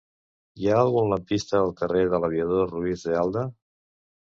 Hi ha algun lampista al carrer de l'Aviador Ruiz de Alda?